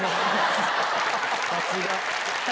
さすが！